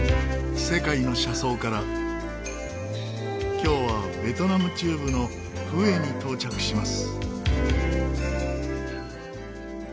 今日はベトナム中部のフエに到着します。